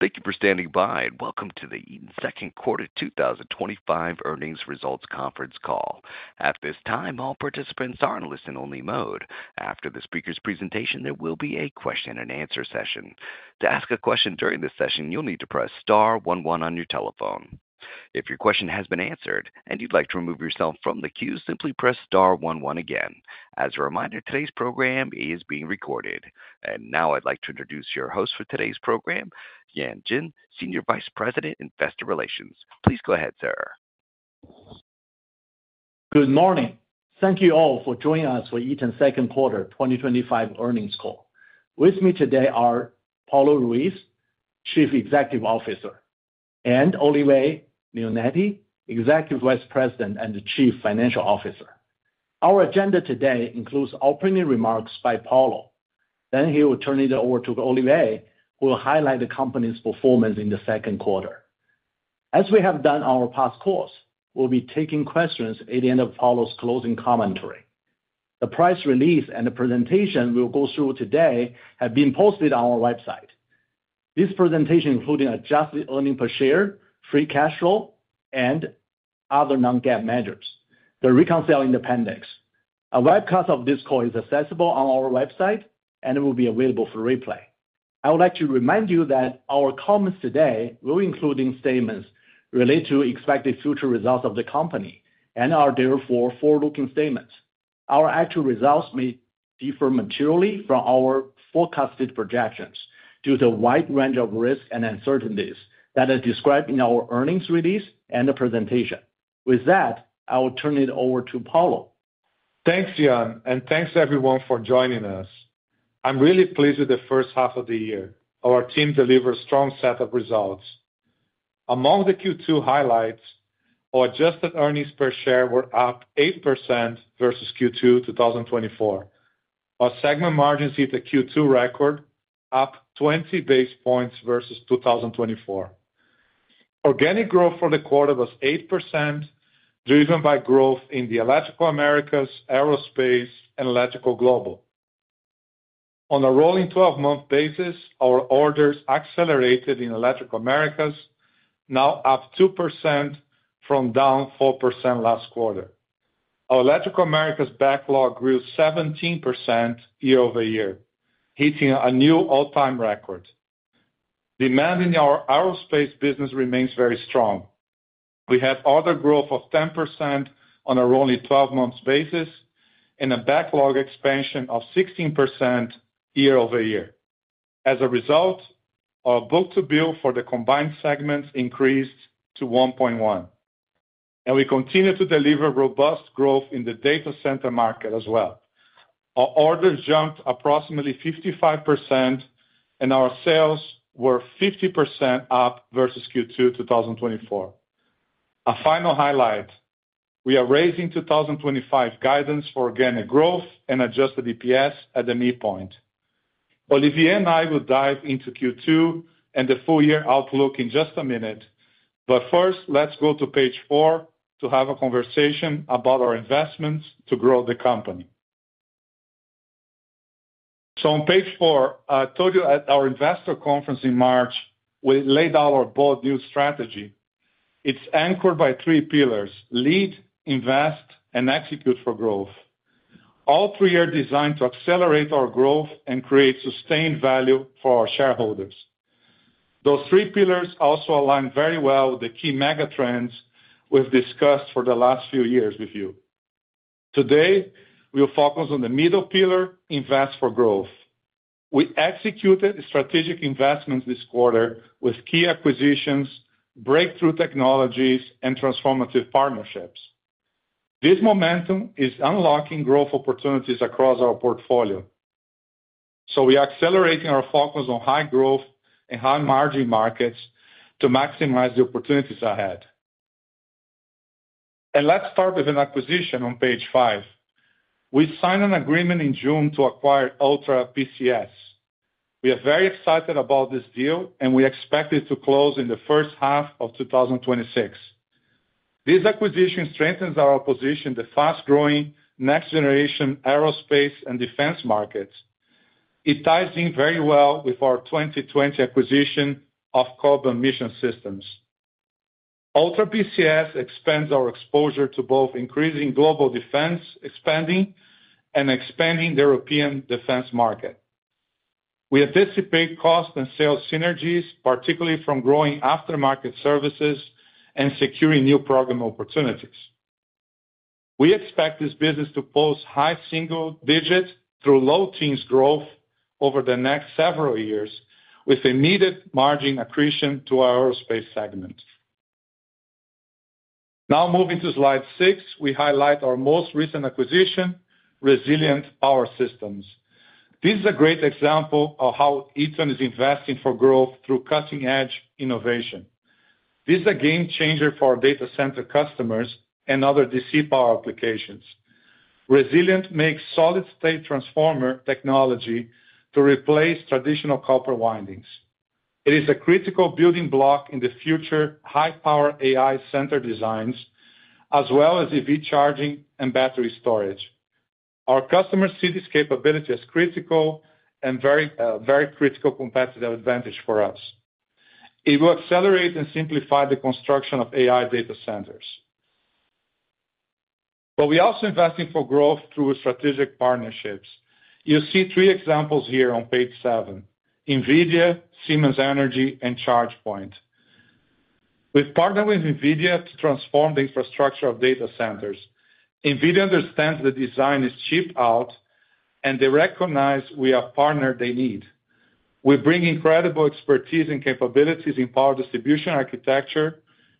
Thank you for standing by and welcome to the Eaton's second quarter 2025 earnings results conference call. At this time, all participants are in listen-only mode. After the speaker's presentation, there will be a question-and-answer session. To ask a question during this session, you'll need to press *11 on your telephone. If your question has been answered and you'd like to remove yourself from the queue, simply press *11 again. As a reminder, today's program is being recorded. Now I'd like to introduce your host for today's program, Yan Jin, Senior Vice President, Investor Relations. Please go ahead, sir. Good morning. Thank you all for joining us for Eaton's second quarter 2025 earnings call. With me today are Paulo Ruiz, Chief Executive Officer, and Olivier Leonetti, Executive Vice President and Chief Financial Officer.Our agenda today includes opening remarks. Paulo, then he will turn it over to Olivier who will highlight the company's performance in the second quarter. As we have done on our past calls, we'll be taking questions at the end of Paulo's closing commentary. The press release and the presentation we'll go through today have been posted on our website. This presentation includes adjusted earnings per share, free cash flow, and other non-GAAP measures. The reconciling in Appendix A. A webcast of this call is accessible on our website and will be available for replay. I would like to remind you that our comments today will include statements related to expected future results of the company and are therefore forward-looking statements. Our actual results may differ materially from our forecasted projections due to a wide range of risks and uncertainties that are described in our earnings release and presentation. With that, I will turn it over to Paulo. Thanks, Yan, and thanks everyone for joining us. I'm really pleased with the first half of the year. Our team delivered a strong set of results. Among the Q2 highlights, our adjusted earnings per share were up 8% versus Q2 2024. Our segment margins hit a Q2 record, up 20 basis points versus 2024. Organic growth for the quarter was 8%, driven by growth in the Electrical Americas, Aerospace, and Electrical Global on a rolling 12-month basis. Our orders accelerated in Electrical Americas, now up 2% from down 4% last quarter. Our Electrical Americas backlog grew 17% year-over-year, hitting a new all-time record. Demand in our Aerospace business remains very strong. We have order growth of 10% on a rolling 12-month basis and a backlog expansion of 16% year-over-year. As a result, our book to bill for the combined segments increased to 1.1, and we continue to deliver robust growth in the data center market as well. Our orders jumped approximately 55%, and our sales were 50% up versus Q2 2024. A final highlight, we are raising 2025 guidance for organic growth and adjusted EPS at the midpoint. Olivier and I will dive into Q2 and the full year outlook in just a minute. First, let's go to page four to have a conversation about our investments to grow the company. On page four, I told you at our investor conference in March, we laid out our bold new strategy. It's anchored by three pillars: Lead, Invest, and Execute for Growth. All three are designed to accelerate our growth and create sustained value for our shareholders. Those three pillars also align very well with the key mega trends we've discussed for the last few years with you. Today we'll focus on the middle pillar, Invest for Growth. We executed strategic investments this quarter with key acquisitions, breakthrough technologies, and transformative partnerships. This momentum is unlocking growth opportunities across our portfolio. We are accelerating our focus on high growth and high margin markets to maximize the opportunities ahead. Let's start with an acquisition on page five. We signed an agreement in June to acquire Ultra PCS. We are very excited about this deal and we expect it to close in the first half of 2026. This acquisition strengthens our position in the fast growing next generation aerospace and defense markets. It ties in very well with our 2020 acquisition of Cobalt Mission Systems. Ultra PCS expands our exposure to both increasing global defense and expanding the European defense market. We anticipate cost and sales synergies, particularly from growing aftermarket services and securing new program opportunities. We expect this business to post high single digits through low teens growth over the next several years with a needed margin accretion to our aerospace segment. Now moving to slide six, we highlight our most recent acquisition, Resilient Power Systems. This is a great example of how Eaton is investing for growth through cutting edge innovation. This is a game changer for our data center customers and other DC power applications. Resilient makes solid-state transformer technology to replace traditional copper windings. It is a critical building block in the future high power AI center designs as well as EV charging and battery storage. Our customers see this capability as critical and a very critical competitive advantage for us. It will accelerate and simplify the construction of AI data centers. We are also investing for growth through strategic partnerships. You see three examples here on page seven: NVIDIA, Siemens Energy, and ChargePoint. We've partnered with NVIDIA to transform the infrastructure of data centers. NVIDIA understands the design is chipped out and they recognize we have partnered, they need, we bring incredible expertise and capabilities in power distribution architecture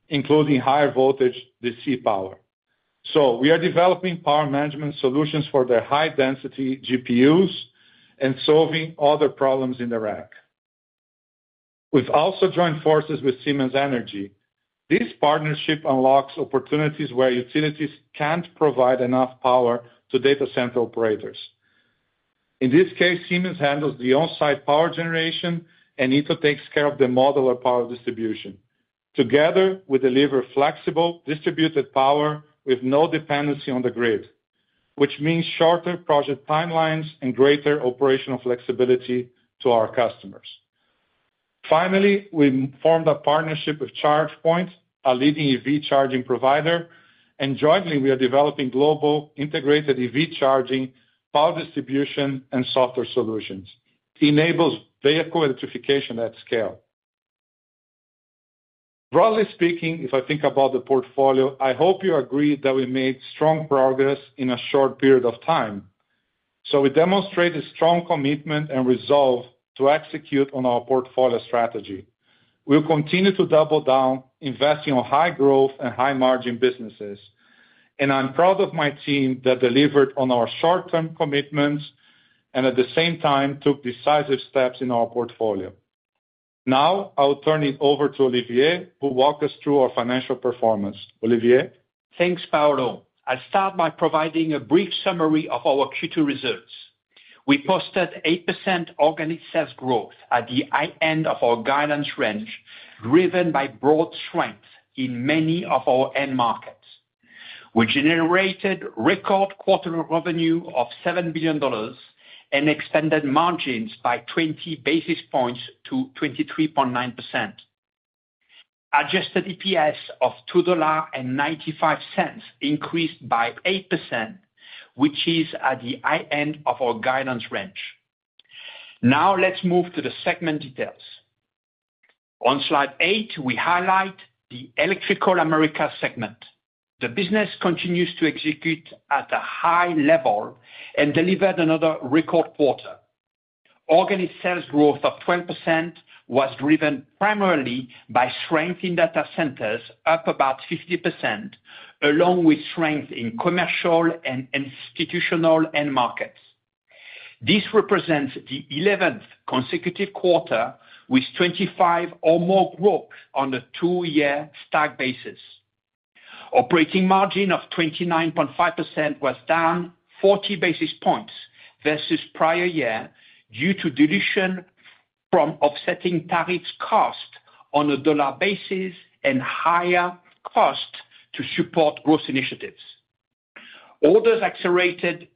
including higher voltage DC power. We are developing power management solutions for their high density GPUs and solving other problems in the rack. We've also joined forces with Siemens Energy. This partnership unlocks opportunities where utilities can't provide enough power to data center operators. In this case, Siemens handles the on-site power generation and Eaton takes care of the model of power distribution. Together we deliver flexible distributed power with no dependency on the grid, which means shorter project timelines and greater operational flexibility to our customers. Finally, we formed a partnership with ChargePoint, a leading EV charging provider, and jointly we are developing global integrated EV charging distribution and software solutions that enable vehicle electrification at scale. Broadly speaking, if I think about the portfolio, I hope you agree that we made strong progress in a short period of time, so we demonstrate a strong commitment and resolve to execute on our portfolio strategy. We'll continue to double down investing on high growth and high margin businesses, and I'm proud of my team that delivered on our short-term commitments and at the same time took decisive steps in our portfolio. Now I'll turn it over to Olivier who will walk us through our financial performance. Olivier. Thanks Paulo. I start by providing a brief summary of our Q2 results. We posted 8% organic sales growth at the high end of our guidance range, driven by broad strength in many of our end markets. We generated record quarterly revenue of $7 billion and expanded margins by 20 basis points to 23.9%. Adjusted EPS of $2.95 increased by 8%, which is at the high end of our guidance range. Now let's move to the segment details. On slide 8, we highlight the Electrical Americas segment. The business continues to execute at a high level and delivered another record quarter. Organic sales growth of 12% was driven primarily by strength in data centers, up about 50%, along with strength in commercial and institutional end markets. This represents the 11th consecutive quarter with 25% or more growth on the two-year stack basis. Operating margin of 29.5% was down 40 basis points versus prior year due to dilution from offsetting tariffs, cost on a dollar basis, and higher cost to support growth initiatives. Orders accelerated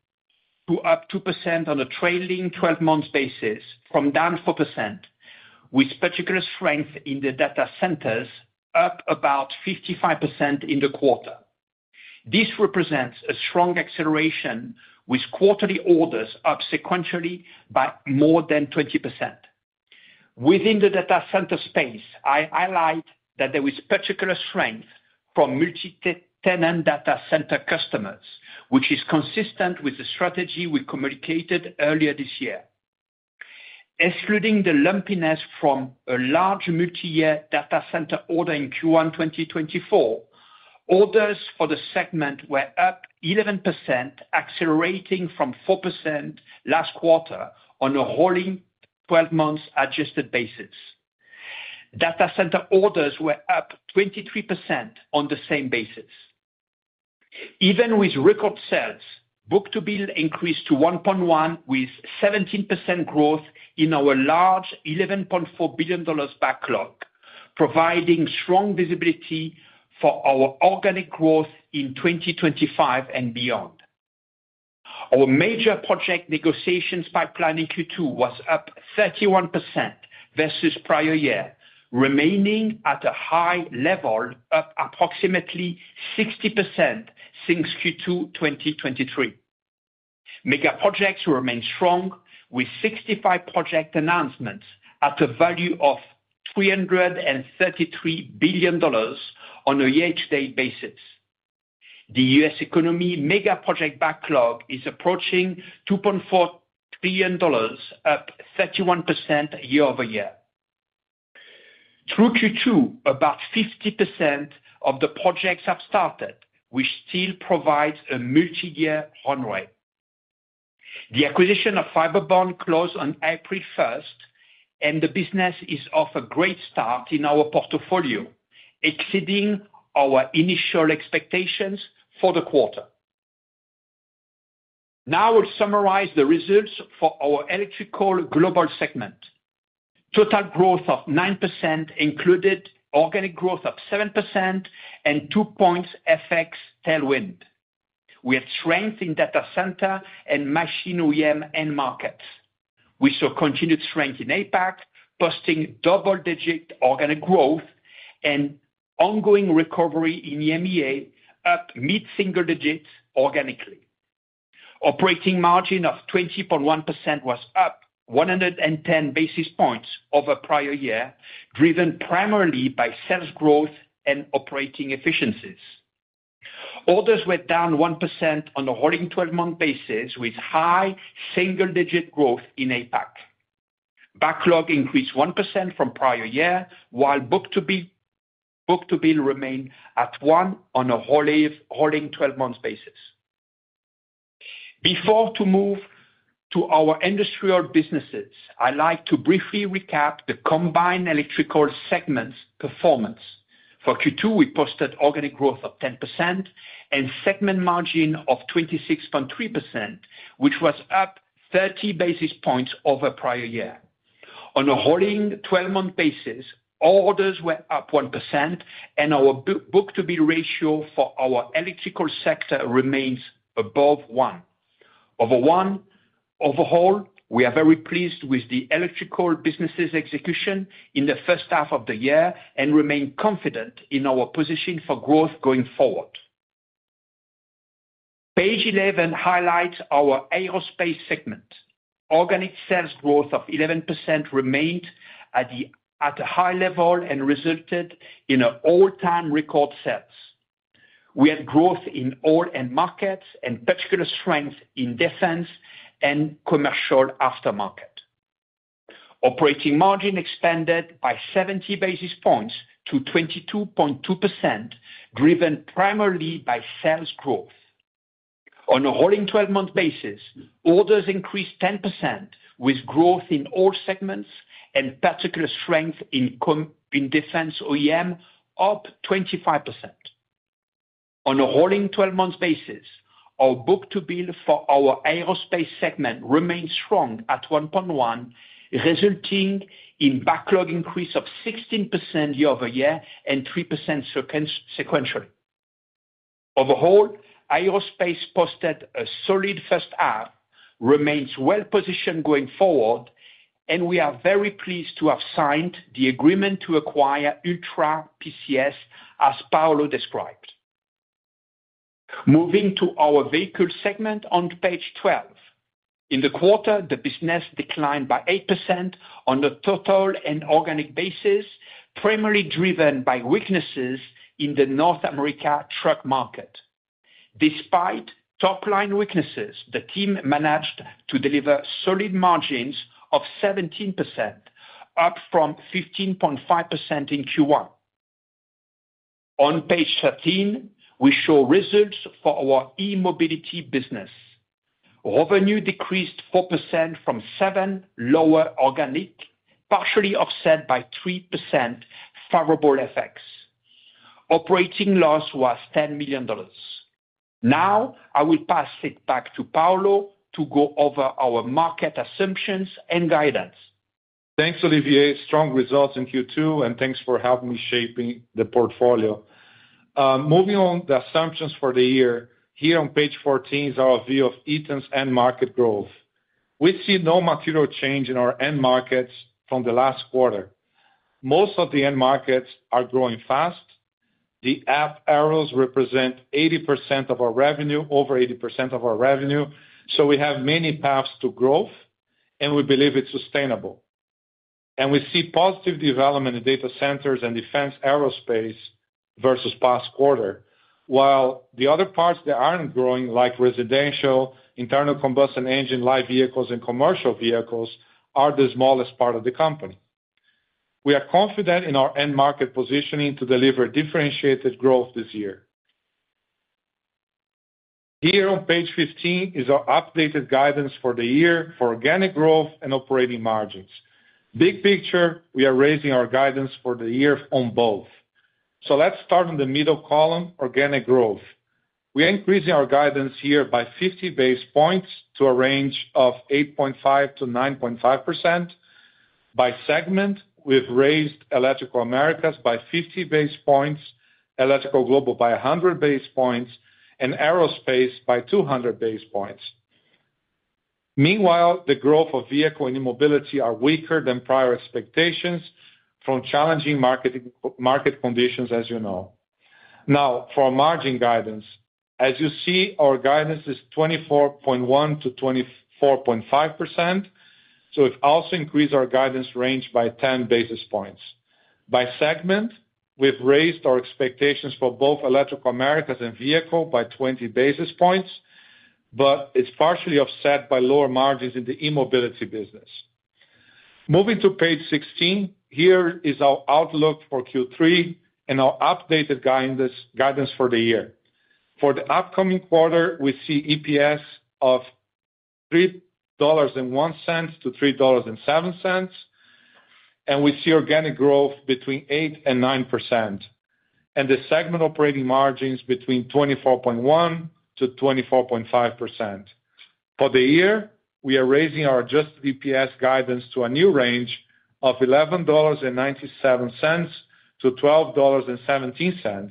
to up 2% on a trailing 12-month basis from down 4%, with particular strength in the data centers, up about 55% in the quarter. This represents a strong acceleration with quarterly orders up sequentially by more than 20%. Within the data center space, I highlighted that there is particular strength from multi-tenant data center customers, which is consistent with the strategy we communicated earlier this year. Excluding the lumpiness from a large multi-year data center order in Q1 2024, orders for the segment were up 11%, accelerating from 4% last quarter on a holding 12 months adjusted basis. Data center orders were up 23% on the same basis. Even with record sales, book-to-build increased to 1.1 with 17% growth in our large $11.4 billion backlog, providing strong visibility for our organic growth in 2025 and beyond. Our major project negotiations pipeline in Q2 was up 31% versus prior year, remaining at a high level of approximately 60% since Q2 2023. Megaprojects remain strong with 65 project announcements at a value of $333 billion on a year-to-date basis. The U.S. economy mega project backlog is approaching $2.4 billion, up 31% year-over-year. Through Q2, about 50% of the projects have started, which still provides a multi-year run rate. The acquisition of Fiberbond closed on April 1st, and the business is off to a great start in our portfolio, exceeding our initial expectations for the quarter. Now we'll summarize the results for our Electrical Global segment. Total growth of 9% included organic growth of 7% and 2 points FX tailwind. We have strength in data center and machine OEM end markets. We saw continued strength in APAC posting double digit organic growth and ongoing recovery in EMEA up mid single digits. Organically, operating margin of 20.1% was up 110 basis points over prior year, driven primarily by sales growth and operating efficiencies. Orders were down 1% on a rolling 12-month basis with high single digit growth in APAC. Backlog increased 1% from prior year while book to bill remained at 1 on a rolling 12-month basis. Before I move to our industrial businesses, I'd like to briefly recap the combined electrical segments performance. For Q2, we posted organic growth of 10% and segment margin of 26.3%, which was up 30 basis points over prior year. On a rolling 12-month basis, all orders were up 1% and our book to bill ratio for our electrical sector remains above 1. Overall, we are very pleased with the electrical businesses execution in the first half of the year and remain confident in our position for growth going forward. Page 11 highlights our aerospace segment. Organic sales growth of 11% remained at a high level and resulted in all-time record sales. We had growth in all end markets and particular strength in defense and commercial aftermarket. Operating margin expanded by 70 basis points to 22.2%, driven primarily by sales growth. On a rolling 12-month basis, orders increased 10% with growth in all segments and particular strength in defense OEM up 25%. On a rolling 12-month basis, our book to bill for our aerospace segment remains strong at 1.1, resulting in backlog increase of 16% year-over-year and 3% sequential. Overall, aerospace posted a solid first half, remains well positioned going forward, and we are very pleased to have signed the agreement to acquire Ultra PCS as Paulo described. Moving to our vehicle segment on page 12, in the quarter the business declined by 8% on a total and organic basis, primarily driven by weaknesses in the North America truck market. Despite top line weaknesses, the team managed to deliver solid margins of 17%, up from 15.5% in Q1. On page 13, we show results for our eMobility business. Revenue decreased 4% from 7% lower organic, partially offset by 3% favorable effects. Operating loss was $10 million. Now I will pass it back to Paulo to go over our market assumptions and guidance. Thanks, Olivier. Strong results in Q2 and thanks for helping me shaping the portfolio. Moving on, the assumptions for the year here on page 14 is our view of Eaton's end market growth. We see no material change in our end markets from the last quarter. Most of the end markets are growing fast. The F arrows represent 80% of our revenue, over 80% of our revenue. We have many paths to growth and we believe it's sustainable. We see positive development in data centers and defense aerospace versus past quarter. While the other parts that aren't growing, like residential, internal combustion engine, light vehicles, and commercial vehicles, are the smallest part of the company, we are confident in our end market positioning to deliver differentiated growth this year. Here on page 15 is our updated guidance for the year for organic growth and operating margins. Big picture, we are raising our guidance for the year on both. Let's start on the middle column. Organic growth. We are increasing our guidance here by 50 basis points to a range of 8.5%-9.5%. By segment, we've raised Electrical Americas by 50 basis points, Electrical Global by 100 basis points, and Aerospace by 200 basis points. Meanwhile, the growth of vehicle and eMobility are weaker than prior expectations from challenging market conditions, as you know. Now for margin guidance, as you see, our guidance is 24.1%-24.5%. We've also increased our guidance range by 10 basis points. By segment, we've raised our expectations for both Electrical Americas and vehicles by 20 basis points, but it's partially offset by lower margins in the eMobility business. Moving to page 16, here is our outlook for Q3 and our updated guidance for the year. For the upcoming quarter, we see EPS of $3.01-$3.07 and we see organic growth between 8% and 9% and the segment operating margins between 24.1%-24.5%. For the year, we are raising our adjusted EPS guidance to a new range of $11.97-$12.17.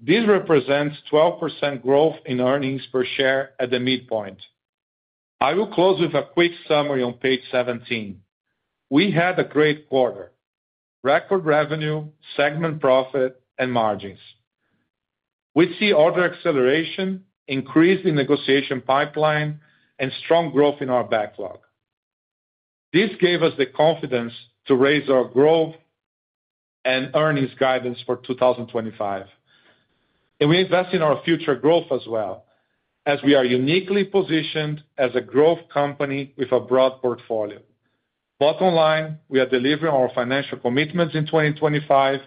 This represents 12% growth in earnings per share at the midpoint. I will close with a quick summary on page 17. We had a great quarter, record revenue, segment profit, and margins. We see order acceleration, increase in negotiation pipeline, and strong growth in our backlog. This gave us the confidence to raise our growth and earnings guidance for 2025 and we invest in our future growth as well, as we are uniquely positioned as a growth company with a broad portfolio. Bottom line, we are delivering our financial commitments in 2025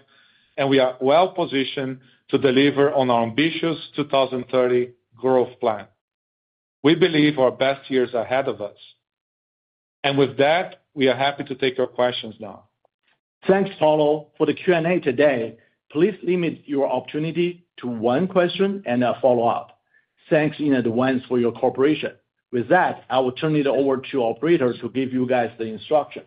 and we are well positioned to deliver on our ambitious 2030 growth plan. We believe our best years are ahead of us and with that, we are happy to take your questions now. Thanks, Paulo, for the Q&A today, please limit your opportunity to one question and a follow-up. Thanks in advance for your cooperation. With that, I will turn it over to the operator to give you guys the instruction.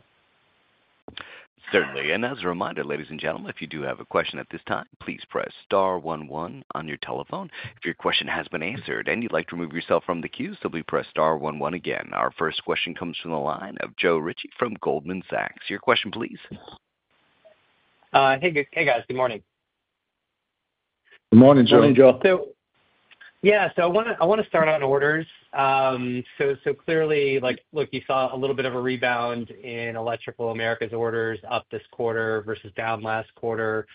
Certainly. As a reminder, ladies and gentlemen, if you do have a question at this time, please press *11 on your telephone. If your question has been answered and you'd like to remove yourself from the queue, simply press *11. Our first question comes from the line of Joe Ritchie from Goldman Sachs. Your question please. Hey guys. Good morning. Good morning, Joe. Yeah, I want to start on orders. Clearly, look, you saw a little bit of a rebound in Electrical Americas orders up this quarter versus down last quarter.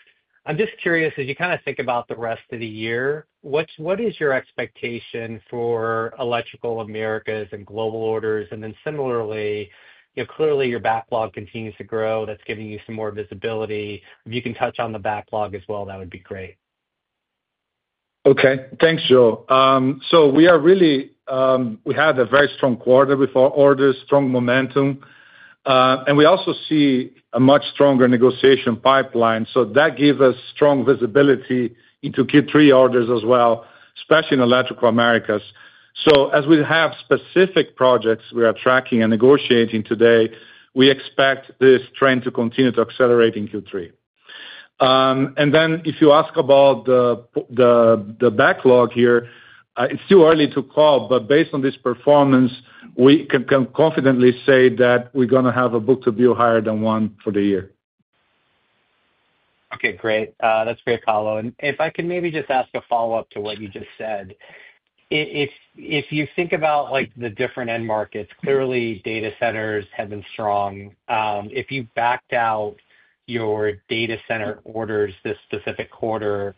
I'm just curious, as you kind of think about the rest of the year, what is your expectation for Electrical Americas and global orders? Similarly, clearly your backlog continues to grow. That's giving you some more visibility. If you can touch on the backlog as well, that would be great. Okay, thanks, Joe. We had a very strong quarter for orders, strong momentum, and we also see a much stronger negotiation pipeline. That gives us strong visibility into Q3 orders as well, especially in Electrical Americas. As we have specific projects we are tracking and negotiating today, we expect this trend to continue to accelerate in Q3. If you ask about the backlog here, it's too early to call. Based on this performance, we can confidently say that we're going to have a book to bill higher than one for the year. Okay, great. That's great, Paulo. If I can maybe just ask a follow-up to what you just said. If you think about the different end markets, clearly data centers have been strong. If you backed out your data center orders this specific quarter,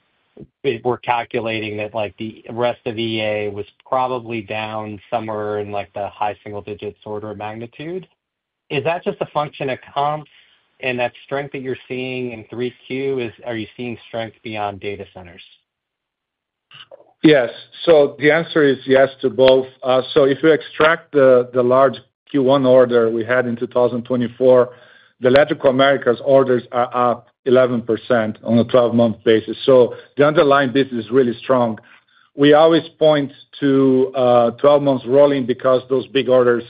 we're calculating that the rest of EA was probably down somewhere in the high single digits order of magnitude. Is that just a function of comp? That strength that you're seeing in Q3, are you seeing strength beyond data centers? Yes. The answer is yes to both. If you extract the large Q1 order we had in 2024, the Electrical Americas orders are up 11% on a 12-month basis. The underlying business is really strongWe always point to 12 months rolling because those big orders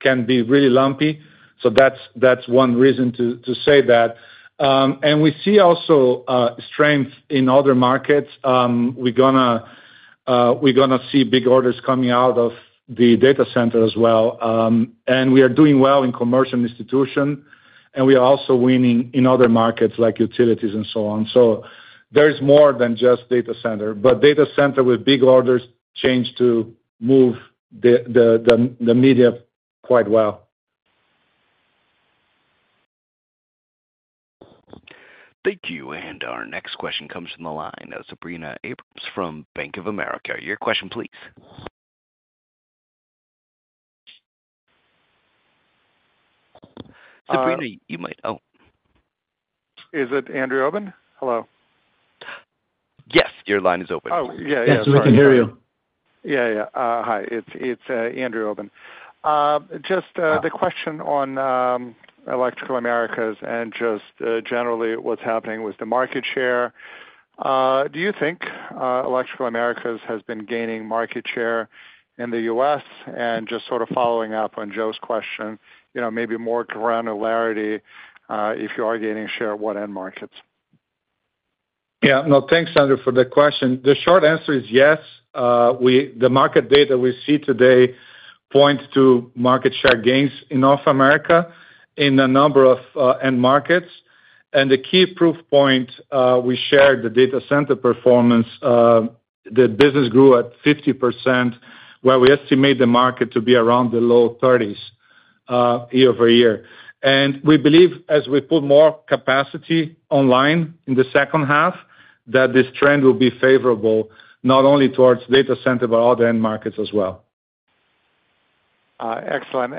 can be really lumpy. That's one reason to say that. We see also strength in other markets. We're going to see big orders coming out of the data center as well, and we are doing well in commercial institution, and we are also winning in other markets like utilities and so on. There is more than just data center, but data center with big orders tends to move the needle quite well. Thank you. Our next question comes from the line of Sabrina Abrams from Bank of America. Your question please. Sabrina, you might. Oh, is it Andrew Obin? Hello. Yes, your line is open. We can hear you. Yeah, yeah, hi, it's Andrew Obin. Just the question on Electrical Americas and just generally what's happening with the market share? Do you think Electrical Americas has been gaining market share in the U.S. and just sort of following up on Joe's question, you know, maybe more granularity if you are gaining share, what end markets? Yeah, no, thanks Andrew, for the question. The short answer is yes. The market data we see today points to market share gains in North America in a number of end markets. The key proof point we shared is the data center performance. The business grew at 50% while we estimate the market to be around the low 30s-percent year-over-year. We believe as we put more capacity online in the second half that this trend will be favorable not only towards data center but other end markets as well. Excellent.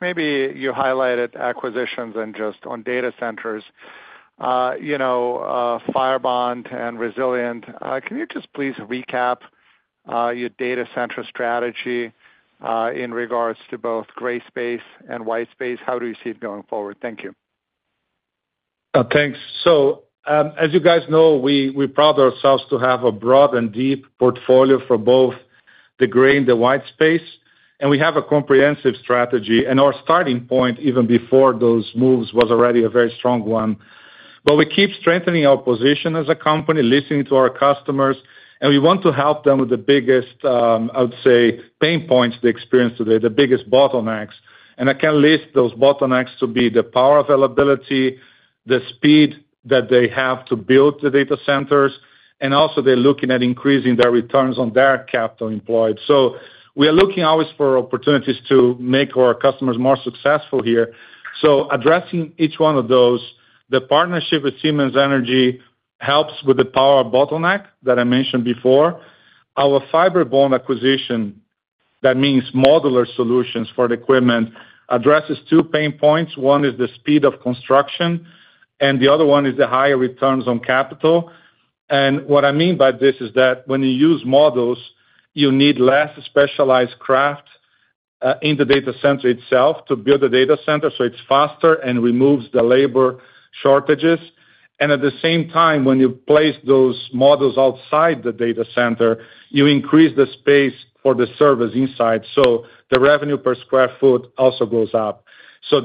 Maybe you highlighted acquisitions and just on data centers, Fiberbond and Resilient. Can you just please recap your data center strategy in regards to both gray space and white space? How do you see it going forward? Thank you. Thanks. As you guys know, we pride ourselves to have a broad and deep portfolio for both the gray and the white space. We have a comprehensive strategy. Our starting point even before those moves was already a very strong one. We keep strengthening our position as a company listening to our customers and we want to help them with the biggest, I would say, pain points they experience today, the biggest bottlenecks, and I can list those bottlenecks to be the power availability, the speed that they have to build the data centers, and also they're looking at increasing their returns on their capital employed. We are looking always for opportunities to make our customers more successful here. Addressing each one of those, the partnership with Siemens Energy helps with the power bottleneck that I mentioned before. Our Fiberbond acquisition that means modular solutions for the equipment addresses two pain points. One is the speed of construction and the other one is the higher returns on capital. What I mean by this is that when you use modules, you need less specialized craft in the data center itself to build the data center so it's faster and removes the labor shortages. At the same time, when you place those modules outside the data center, you increase the space for the service inside. The revenue per square foot also goes up.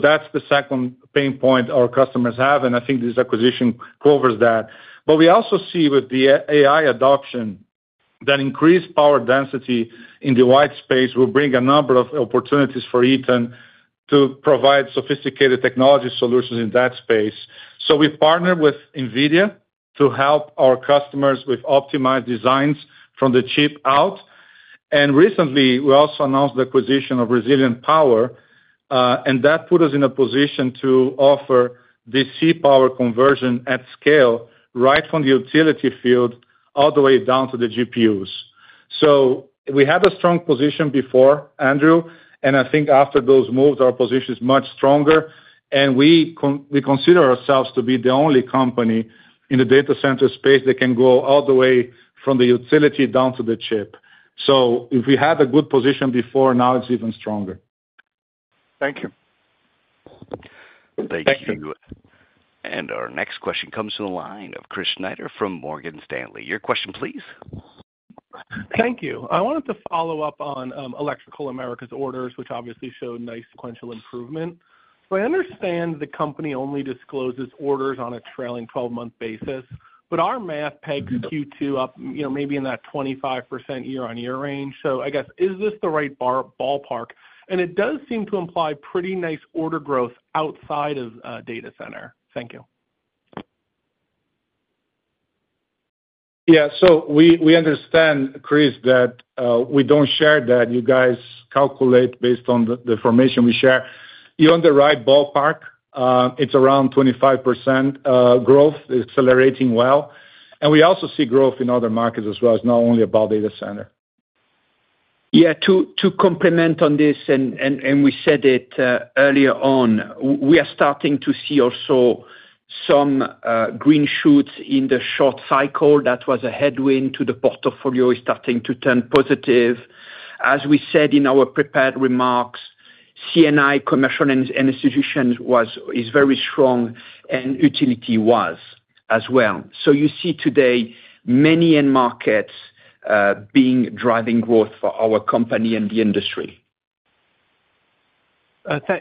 That's the second pain point our customers have. I think this acquisition covers that. We also see with the AI adoption that increased power density in the white space will bring a number of opportunities for Eaton to provide sophisticated technology solutions in that space. We partnered with NVIDIA to help our customers with optimized designs from the chip out. Recently, we also announced the acquisition of Resilient Power. That put us in a position to offer the C power conversion at scale right from the utility field all the way down to the GPUs. We had a strong position before, Andrew, and I think after those moves, our position is much stronger. We consider ourselves to be the only company in the data center space that can go all the way from the utility down to the chip. If we had a good position before, now it's even stronger. Thank you. Thank you. Our next question comes to the line of Chris Snyder from Morgan Stanley. Your question please. Thank you. I wanted to follow up on Electrical Americas orders, which obviously showed nice sequential improvement. I understand the company only discloses orders on a trailing 12 month basis, but our math peg Q2 up maybe in that 25% year-on-year range. Is this the right ballpark? It does seem to imply pretty nice order growth outside of data center. Thank you. Yeah. We understand, Chris, that we don't share that. You guys calculate based on the information we share. You're in the right ballpark. It's around 25% growth, accelerating well. We also see growth in other markets as well. It's not only about data center. Yeah. To complement on this, and we said it earlier on, we are starting to see also some green shoots in the short cycle. That was a headwind to the portfolio starting to turn positive. As we said in our prepared remarks, CNI commercial institutions is very strong, and utility was as well. You see today many end markets being driving growth for our company and the industry.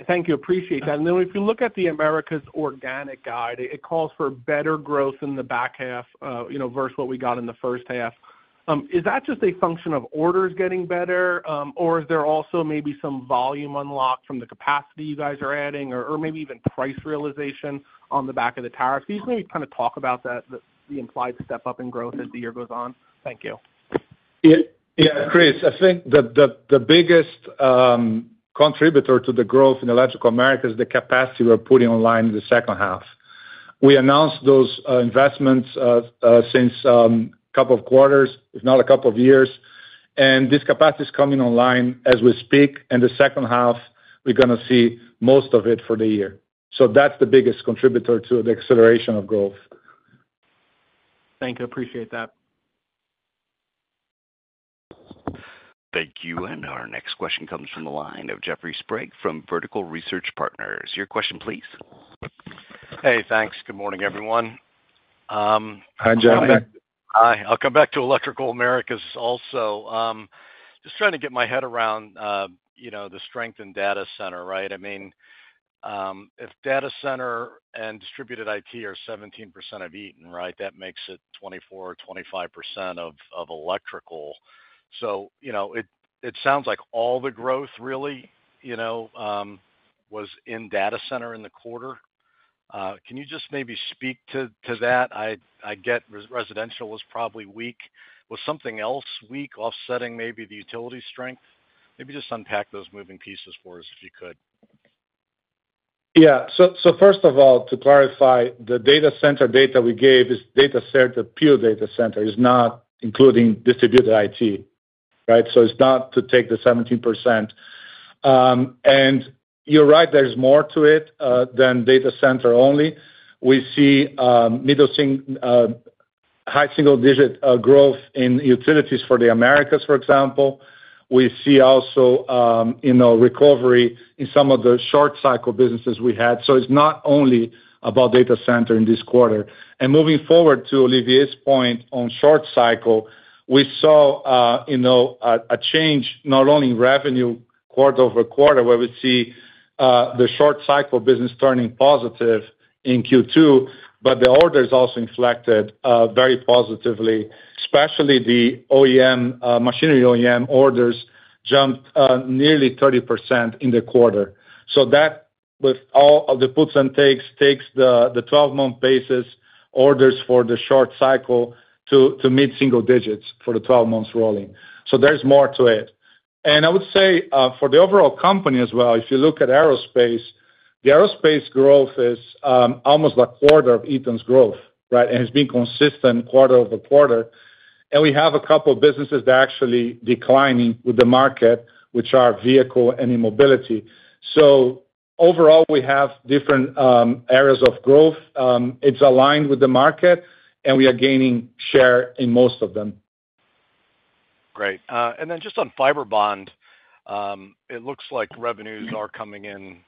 Thank you, appreciate that. If you look at the Americas organic guide, it calls for better growth in the back half versus what we got in the first half. Is that just a function of orders getting better, or is there also maybe some volume unlock from the capacity you guys are adding, or maybe even price realization on the back of the tariffs? Could you talk about that, the implied step up in growth as the year goes on? Thank you. Chris. I think that the biggest contributor to the growth in the Electrical Americas is the capacity we're putting online in the second half. We announced those investments since a couple of quarters, if not a couple of years, and this capacity is coming online as we speak. In the second half, we're going to see most of it for the year. That's the biggest contributor to the acceleration of growth. Thank you, appreciate that. Thank you. Our next question comes from the line of Jeffrey Sprague from Vertical Research Partners. Your question please. Hey, thanks. Good morning everyone. Hi, Jeffrey. I'll come back to Electrical Americas also. Just trying to get my head around, you know, the strength and data center, right. I mean if data center and distributed it are 17% of Eaton, right. That makes it 24%, 25% of Electrical. It sounds like all the growth really was in data center in the quarter. Can you just maybe speak to that? I get residential was probably weak. Was something else weak, offsetting maybe the utility strength? Maybe just unpack those moving pieces for us if you could. Yeah. First of all, to clarify, the data center data we gave is pure data center is not including distributed IT. Right. It's not to take the 17%. You're right, there's more to it than data center only. We see high single digit growth in utilities for the Americas, for example. We see also recovery in some of the short cycle businesses we had. It's not only about data center in this quarter and moving forward to Olivier's point on short cycle, we saw a change not only in revenue quarter-over-quarter where we see the short cycle business turning positive in Q2, but the orders also inflected very positively, especially the OEM machinery. OEM orders jumped nearly 30% in the quarter. That, with all of the puts and takes, takes the 12 month basis orders for the short cycle to mid-single digits for the 12 months rolling. There's more to it. I would say for the overall company as well. If you look at aerospace, the aerospace growth is almost a quarter of Eaton's growth and has been consistent quarter-over-quarter. We have a couple of businesses that are actually declining with the market, which are vehicle and mobility. Overall, we have different areas of growth. It's aligned with the market and we are gaining share in most of them. Great. Just on Fiberbond, it looks like revenues are coming in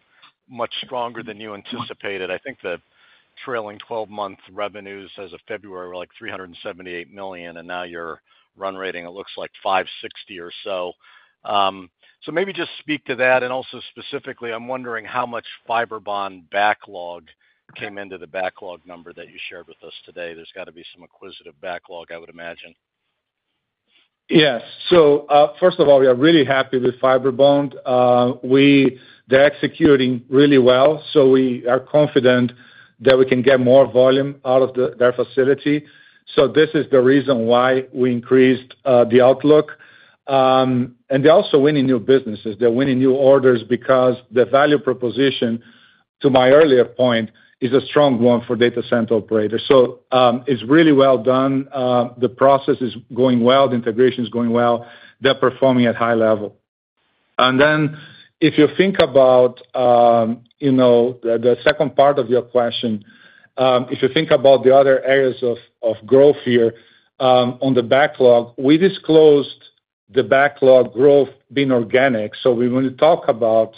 much stronger than you anticipated. I think the trailing twelve month revenues as of February were like $378 million. You're run rating it looks like $560 or so. Maybe just speak to that. Also, specifically, I'm wondering how much Fiberbond backlog came into the backlog number that you shared with us today. There's got to be some acquisitive backlog, I would imagine. Yes. First of all, we are really happy with Fiberbond. They're executing really well. We are confident that we can get more volume out of their facility. This is the reason why we increased the outlook. They're also winning new businesses, they're winning new orders because the value proposition, to my earlier point, is a strong one for data center operators. It's really well done. The process is going well, the integration is going well, they're performing at a high level. If you think about the second part of your question, if you think about the other areas of growth here on the backlog, we disclosed the backlog growth being organic. We want to talk about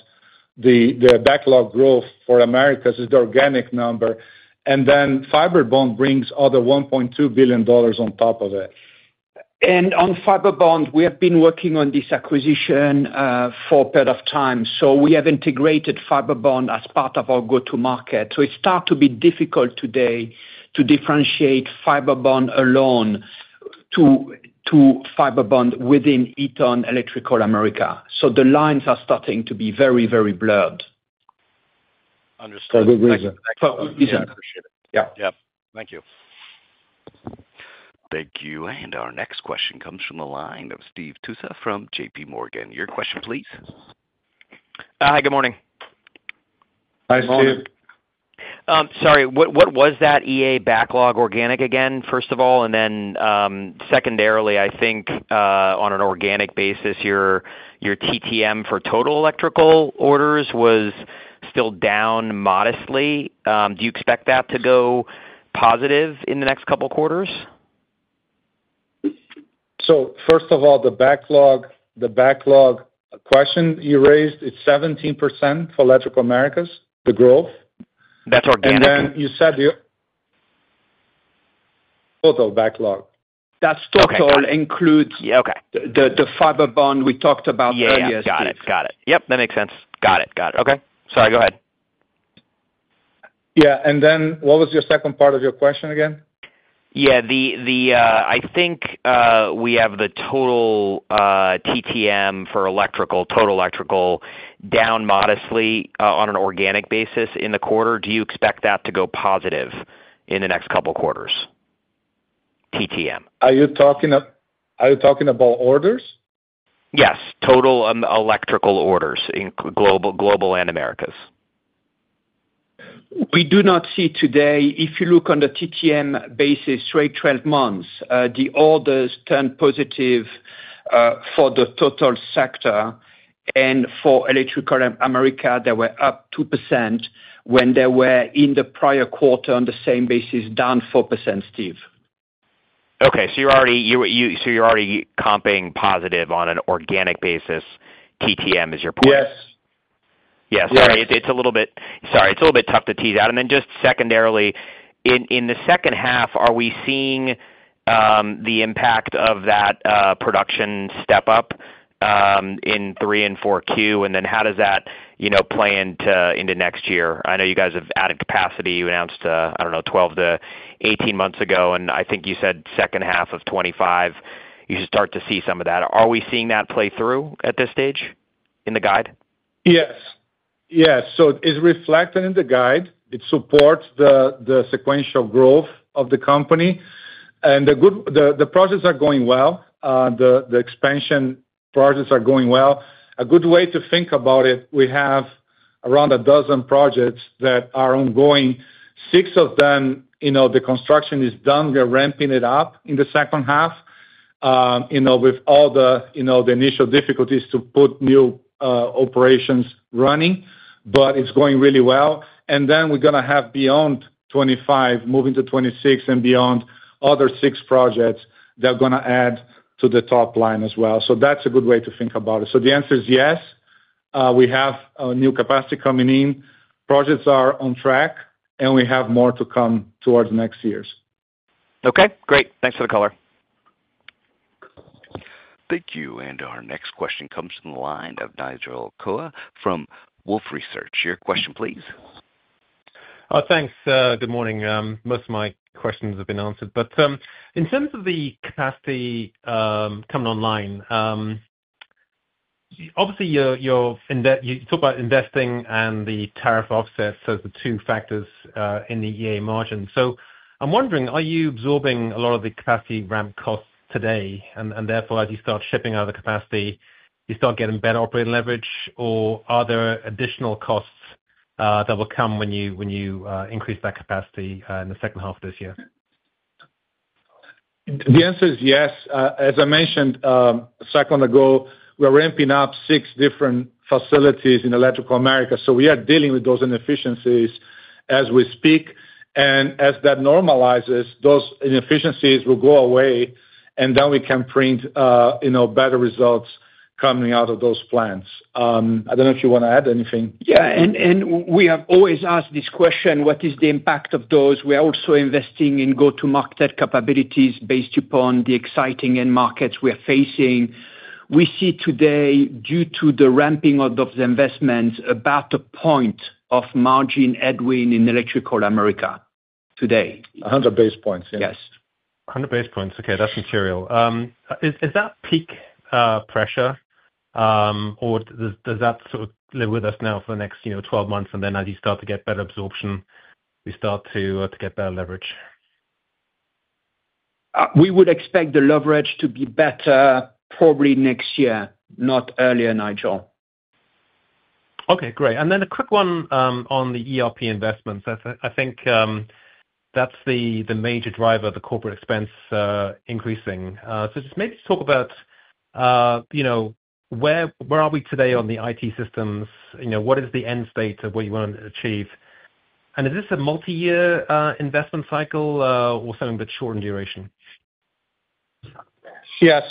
the backlog growth for Americas as the organic number. Fiberbond brings another $1.2 billion on top of it. We have been working on this acquisition of Fiberbond for a period of time. We have integrated Fiberbond as part of our go-to-market. It starts to be difficult today to differentiate Fiberbond alone from Fiberbond within Eaton Electrical Americas. The lines are starting to be very, very blurred. Understood. Yeah, thank you. Thank you. Our next question comes from the line of Steve Tusa from JPMorgan. Your question please. Hi, good morning. Hi Steve. Sorry, what was that EA backlog organic again, first of all. Secondarily, I think on an organic basis, your TTM for Total Electrical orders were still down modestly. Do you expect that to go positive in the couple quarters? The backlog question you raised, it's 17% for Electrical Americas, the growth network. Then you said you total backlog. That total includes the Fiberbond we talked about earlier. Got it, got it. Yep, that makes sense. Got it, got it. Okay, go ahead. Yeah, what was your second part of your question again? Yeah, I think we have the total TTM for electrical, total electrical down modestly on an organic basis in the quarter. Do you expect that to go positive in the next couple quarters? TTM. Are you talking about orders? Yes, total electrical orders in global and Americas. We do not see today, if you look on the TTM basis, straight 12 months, the orders turned positive for the total sector, and for Electrical Americas, they were up 2% when they were in the prior quarter on the same basis, down 4%, Steve. Okay, so you're already comping positive on an organic basis. TTM is your point? Yes. It's a little bit, sorry, it's a little bit tough to tease out. Secondarily, in the second half, are we seeing the impact of that production step up in 3 and 4Q, and then how does that play into next year? I know you guys have added capacity. You announced, I don't know, 12-18 months ago, and I think you said second half of 2025, you should start to see some of that. Are we seeing that play through at this stage in the guide? Yes, yes. It's reflected in the guide. It supports the sequential growth of the company, and the process is going well. The expansion projects are going well. A good way to think about it, we have around a dozen projects that are ongoing. Six of them, you know, the construction is done, we're ramping it up in the second half, you know, with all the, you know, the initial difficulties to put new operations running. It's going really well. We're going to have beyond 2025, moving to 2026 and beyond. The other six projects, they're going to add to the top line as well. That's a good way to think about it. The answer is yes, we have new capacity coming in, projects are on track, and we have more to come towards next years. Okay, great. Thanks for the color. Thank you. Our next question comes from the line of Nigel Coe from Wolfe Research. Your question please. Thanks. Good morning. Most of my questions have been answered. In terms of the capacity coming online, obviously, you talk about investing. The tariff offsets as the two factors in the EA margin. I'm wondering, are you absorbing a lot of the capacity ramp costs today as you start shipping out the capacity, you start getting better operating leverage. Are there additional costs that will come when you increase that capacity in the second half of this year? The answer is yes. As I mentioned a second ago, we're ramping up six different facilities in Electrical Americas. We are dealing with those inefficiencies as we speak, and as that normalizes, those inefficiencies will go away and then we can print better results coming out of those plants. I don't know if you want to add anything. We have always asked this question, what is the impact of those? We are also investing in go-to-market capabilities based upon the exciting end markets we are facing. We see today, due to the ramping of the investments, about a point of margin headwind in Electrical Americas today. 100 basis points. Yes. 100 basis points. Okay, that's material. Is that peak pressure or does that sort of live with us now for the next 12 months? As you start to get better absorption, we start to get better leverage. We would expect the leverage to be better probably next year, not earlier Nigel. Okay, great. A quick one on the ERP investments. I think that's the major driver, the corporate expense increasing. Maybe talk about where are we today on the IT systems? What is the end state of what you want to achieve? Is this a multi-year investment c ycle or something that's short in duration? Yes.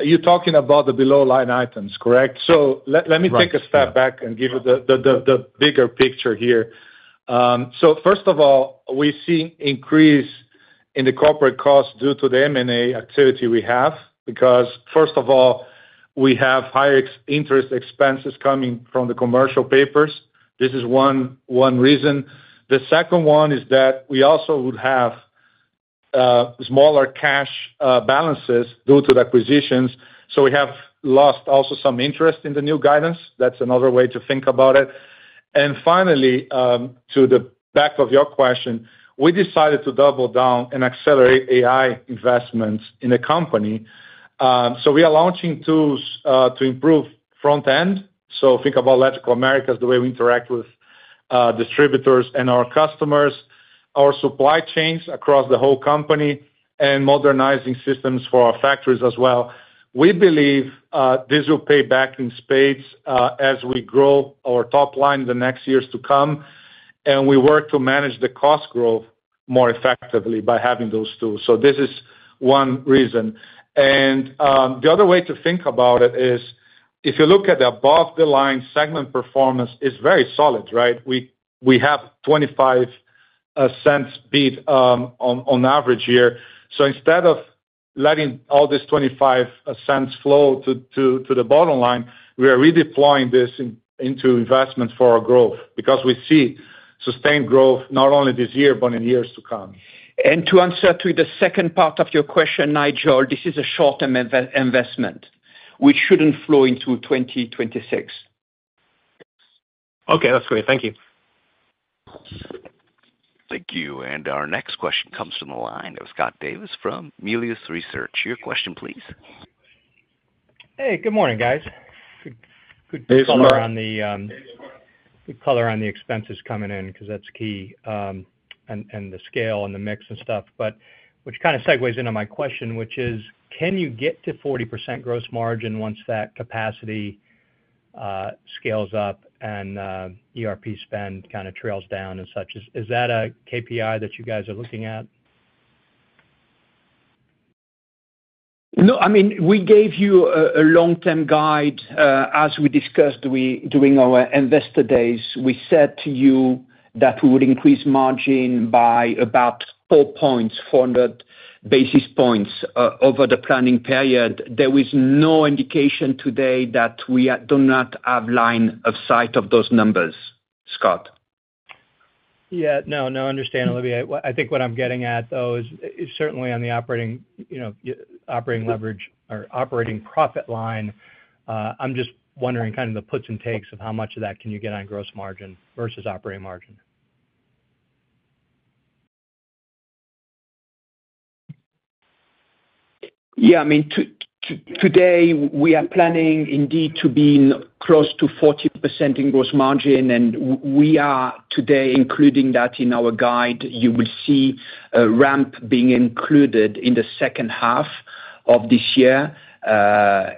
You're talking about the below line items. Correct? Let me take a step back and give you the bigger picture here. First of all, we see increase in the corporate costs due to the M&A activity we have because first of all we have higher interest expenses coming from the commercial papers. This is one reason. The second one is that we also would have smaller cash balances due to the acquisitions. We have lost also some interest in the new guidance. That's another way to think about it. Finally, to the back of your question, we decided to double down and accelerate AI investments in the company. We are launching tools to improve front end. Think about Electrical Americas as the way we interact with distributors and our customers, our supply chains across the whole company, and modernizing systems for our factories as well. We believe this will pay back in spades as we grow our top line the next years to come. We work to manage the cost growth more effectively by having those tools. This is one reason. The other way to think about it is if you look at the above, the line segment performance is very solid, right. We have $0.25 bid on average here. Instead of letting all this $0.25 flow to the bottom line, we are redeploying this into investments for our growth because we see sustained growth not only this year, but in years to come. To answer the second part of your question, Nigel, this is a short-term investment which shouldn't flow into 2026. Okay, that's great. Thank you. Thank you. Our next question comes from the line of Scott Davis from Melius Research. Your question please. Hey, good morning, guys. Good color on the expenses coming in because that's key, and the scale and the mix and stuff. Which kind of segues into my question, which is can you get to 40% gross margin once that capacity scales up and ERP spend kind of trails down and such. Is that a KPI that you guys are looking at? No, I mean, we gave you a long-term guide. As we discussed during our investor days, we said to you that we would increase margin by about 4 points, 400 basis points over the planning period. There is no indication today that we do not have line of sight of those numbers, Scott. I understand, Olivier. I think what I'm getting at though is certainly on the operating, you know, operating leverage or operating profit line. I'm just wondering kind of the puts and takes of how much of that can you get on gross margin versus operating margin? Yeah, I mean today we are planning indeed to be close to 40% in gross margin. We are today including that in our guide. You will see a ramp being included in the second half of this year. This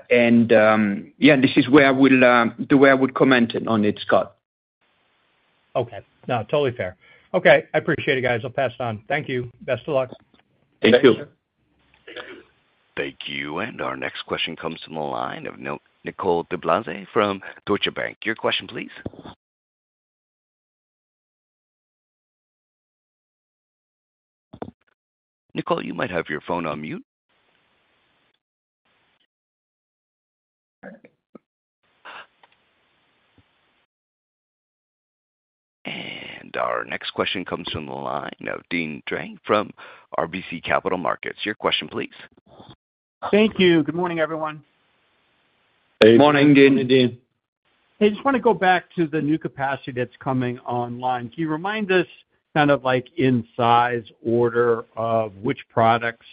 is where we'll do where I would comment on it, Scott. Okay. No, totally fair. Okay. I appreciate it, guys. I'll pass it on. Thank you. Best of luck. Thank you. Thank you. Our next question comes from the line of Nicole DeBlase from Deutsche Bank. Your question please. Nicole, you might have your phone on mute. Our next question comes from the line of Deane Dray from RBC Capital Markets. Your question please. Thank you. Good morning, everyone. Good morning, Dean. I just want to go back to the new capacity that's coming online. Can you remind us kind of like in size order of which products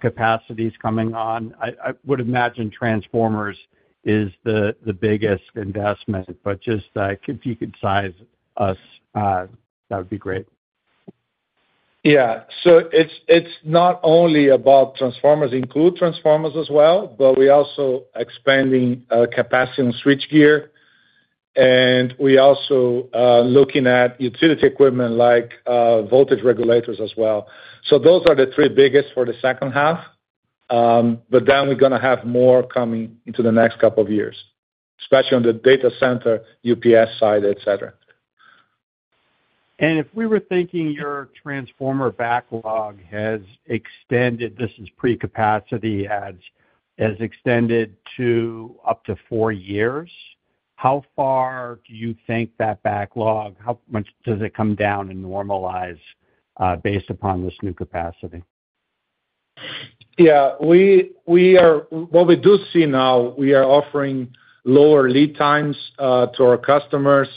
capacity is coming on? I would imagine transformers is the biggest investment. If you could size us that would be great. Yeah. It's not only about transformers, include transformers as well. We are also expanding capacity in switchgear and we are also looking at utility equipment like voltage regulators as well. Those are the three biggest for the second half. We're going to have more coming into the next couple of years, especially on the data center UPS side, etc. If we were thinking your transformer backlog has extended, this is pre-capacity adds, is extended to up to four years. How far do you think that backlog, how much does it come down and normalize based upon this new capacity? Yeah, what we do see now, we are offering lower lead times to our customers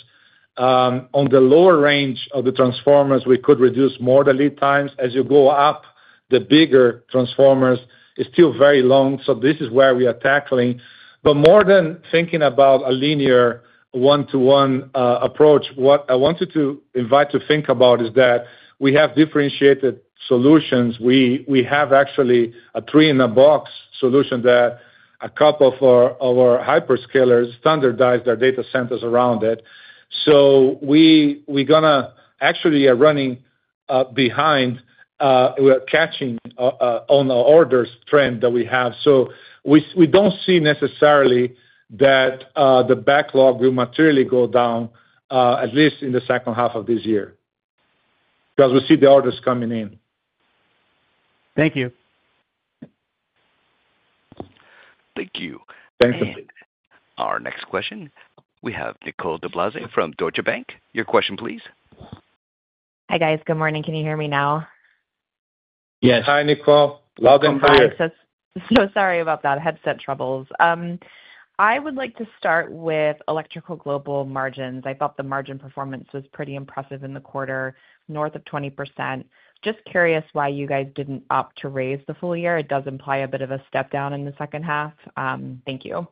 on the lower range of the transformers. We could reduce more the lead times as you go up, the bigger transformers is still very long. This is where we are tackling. More than thinking about a linear one-to-one approach, what I wanted to invite to think about is that we have differentiated solutions. We have actually a three-in-a-box solution that a couple for our hyperscalers standardized our data centers around it. We are actually running behind. We are catching on the orders trend that we have. We don't see necessarily that the backlog will materially go down at least in the second half of this year because we see the orders coming in. Thank you. Thank you. Thank you. Our next question, we have Nicole DeBlase from Deutsche Bank. Your question please. Hi guys, good morning. Can you hear me now? Yes, hi Nicole, loud and clear. Sorry about that, headset troubles. I would like to start with Electrical Global margins. I thought the margin performance was pretty impressive in the quarter, north of 20%. Just curious why you guys didn't opt to raise the full year. It does imply a bit of a step down in the second half. Thank you.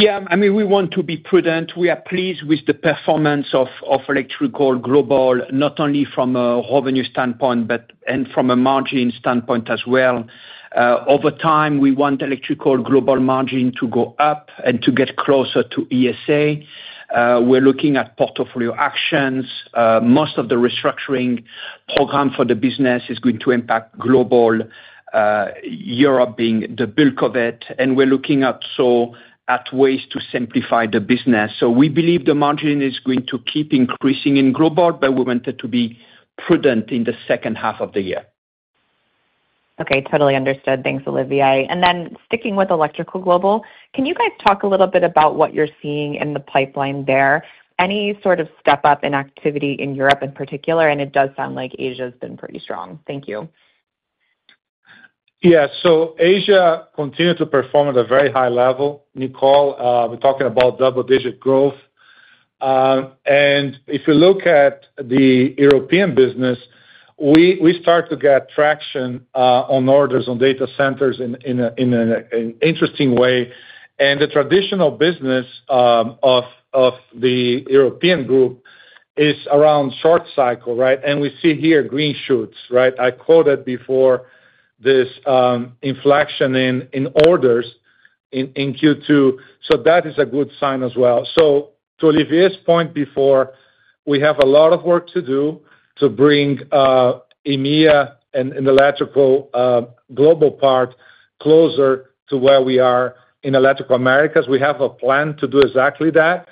Yeah, I mean we want to be prudent. We are pleased with the performance of Electrical Global not only from a revenue standpoint but from a margin standpoint as well. Over time, we want Electrical Global margin to go up and to get closer to ESA. We're looking at portfolio actions. Most of the restructuring program for the business is going to impact Global, Europe being the bulk of it. We're looking at ways to simplify the business. We believe the margin is going to keep increasing in Global, but we want to be prudent in the second half of the year. Okay, totally understood. Thanks, Olivier. Sticking with Electrical Global, can you guys talk a little bit about what you're seeing in the pipeline there. Any sort of step up in activity in Europe in particular. It does sound like Asia has been pretty strong. Thank you. Yes. Asia continues to perform at a very high level, Nicole. We're talking about double-digit growth. If you look at the European business, we start to get traction on orders on data centers in an interesting way. The traditional business of the European group is around short cycle. We see here green shoots. I quoted before this inflection in orders in Q2, so that is a good sign as well. To Olivier's point before, we have a lot of work to do to bring EMEA and Electrical Global part closer to where we are in Electrical Americas. We have a plan to do exactly that.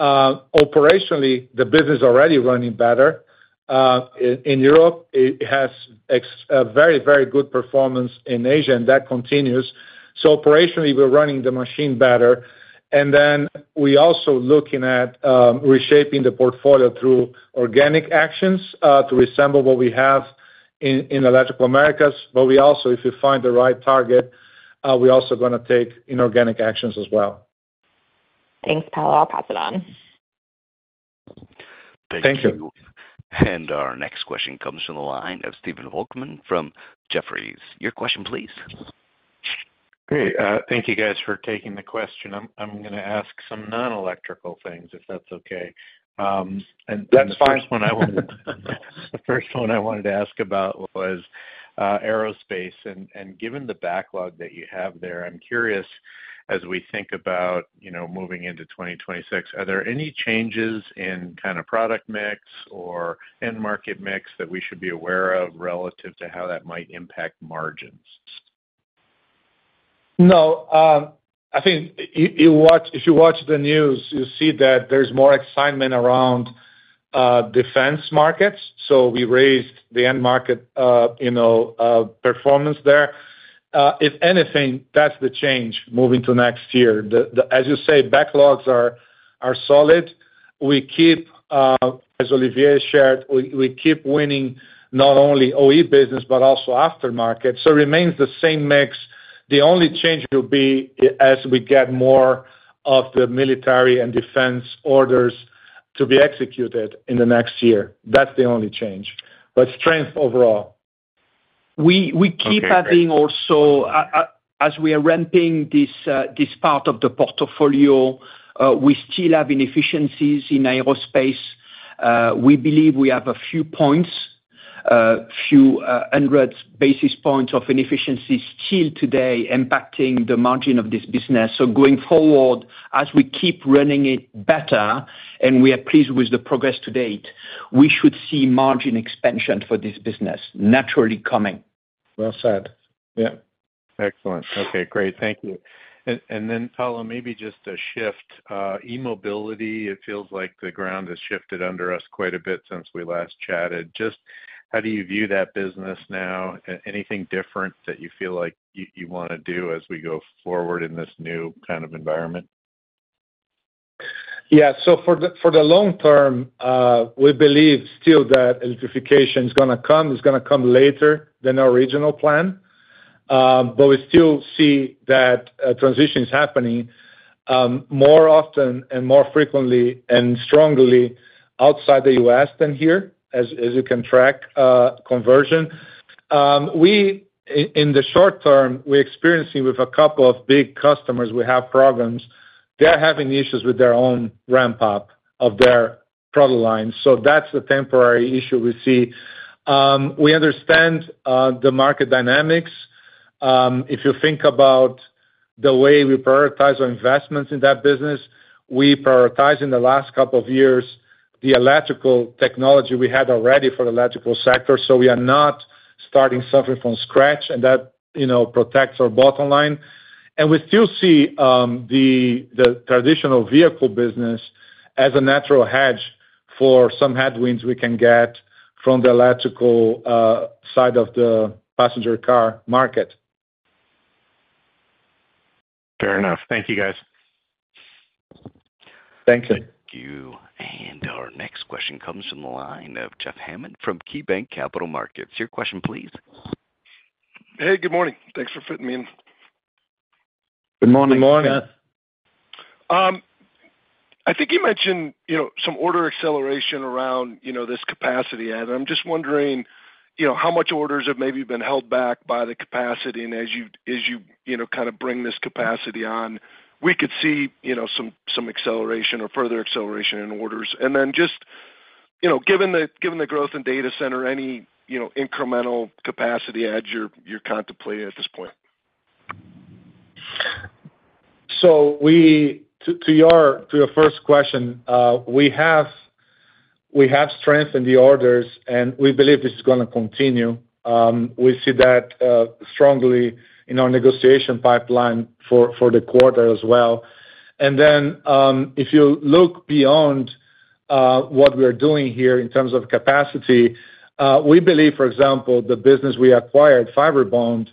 Operationally, the business is already running better in Europe. It has very, very good performance in Asia and that continues. Operationally, we're running the machine better. We are also looking at reshaping the portfolio through organic actions to resemble what we have in Electrical Americas.If we find the right target, we're also going to take inorganic actions as well. Thanks, Paul. I'll pass it on. Thank you. Our next question comes from the line of Stephen Volkmann from Jefferies. Your question please. Great, thank you guys for taking the question. I'm going to ask some non-electrical things if that's okay. That's fine. The first one I wanted to ask about was aerospace. Given the backlog that you have there, I'm curious, as we think about moving into 2026, are there any changes in kind of product mix or end market mix that we should be aware of relative to how that might impact margins? No. I think if you watch the news, you see that there's more excitement around defense markets. We raised the end market performance there. If anything, that's the change. Moving to next year, as you say, backlogs are solid. As Olivier shared, we keep winning not only OE business but also aftermarket. Remains the same mix. The only change will be as we get more of the military and defense orders to be executed in the next year. That's the only change but strength overall. We keep adding also as we are ramping this part of the portfolio, we still have inefficiencies in aerospace. We believe we have a few points, few hundred basis points of inefficiencies still today impacting the margin of this business. Going forward as we keep running it better and we are pleased with the progress to date, we should see margin expansion for this business naturally coming. Well said. Excellent. Okay, great. Thank you. Paulo, maybe just a shift to eMobility. It feels like the ground has shifted under us quite a bit since we last chatted. Just how do you view that business now? Anything different that you feel like you want to do as we go forward in this new kind of environment? Yeah. For the long-term, we believe still that electrification is going to come. It's going to come later than our original plan, but we still see that transition is happening more often and more frequently and strongly outside the U.S. than here as you can track conversion. In the short-term, we're experiencing with a couple of big customers, we have programs, they're having issues with their own ramp up of their product line. That's the temporary issue we see. We understand the market dynamics. If you think about the way we prioritize our investments in that business, we prioritized in the last couple of years the electrical technology we had already for the electrical sector. We are not starting suffering from scratch and that, you know, protects our bottom line. We still see the traditional vehicle business as a natural hedge for some headwinds we can get from the electrical side of the passenger car market. Fair enough. Thank you guys. Thank you. Our next question comes from the line of Jeff Hammond from KeyBanc Capital Markets. Your question please. Hey, good morning. Thanks for fitting me in. Good morning. I think you mentioned some order acceleration around this capacity add. I'm just wondering how much orders have maybe been held back by the capacity and as you bring this capacity on, we could see some acceleration or further acceleration in orders. Just given the growth in data center, any incremental capacity adds you're contemplating at this point. To your first question, we have strength in the orders and we believe it's going to continue. We see that strongly in our negotiation pipeline for the quarter as well. If you look beyond what we are doing here in terms of capacity, we believe for example the business we acquired, Fiberbond,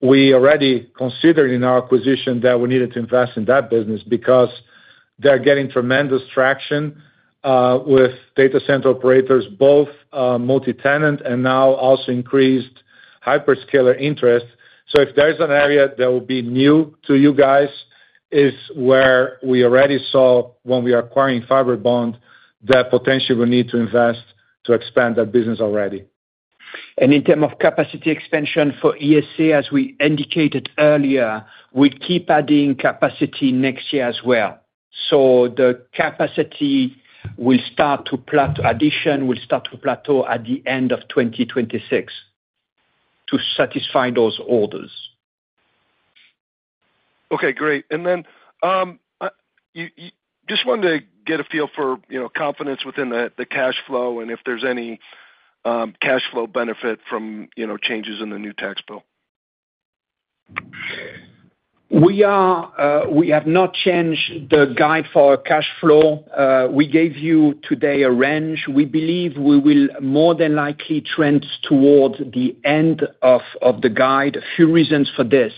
we already considered in our acquisition that we needed to invest in that business because they're getting tremendous traction with data center operators, both multi-tenant and now also increased hyperscaler interest. If there's an area that will be new to you guys, it's where we already saw when we were acquiring Fiberbond that potentially we'll need to invest to expand that business already. In terms of capacity expansion for ESA, as we indicated earlier, we keep adding capacity next year as well. The capacity will start to plateau. Addition will start to plateau at the end of 2026 to satisfy those orders. Okay, great. I just wanted to get a feel for, you know, confidence within the cash flow and if there's any cash flow benefit from, you know, changes in the new tax bill. We have not changed the guide for cash flow. We gave you today a range we believe we will more than likely trend towards the end of the guide. A few reasons for this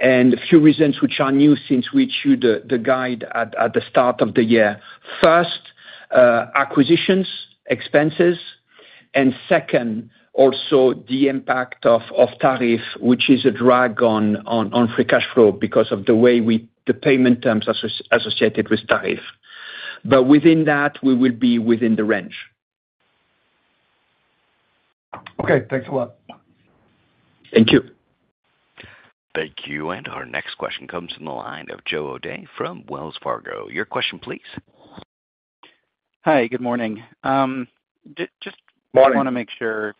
and a few reasons which are new since we issued the guide at the start of the year. First, acquisitions expenses and second, also the impact of tariff which is a drag on free cash flow because of the way the payment terms associated with tariff. Within that we will be within the range. Okay, thanks a lot. Thank you. Thank you. Our next question comes from the line of Joe O'Dea from Wells Fargo. Your question please. Hi, good morning. Just want to make sure.